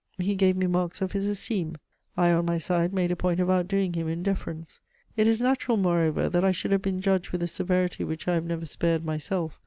he gave me marks of his esteem: I on my side made a point of outdoing him in deference. It is natural, moreover, that I should have been judged with a severity which I have never spared myself.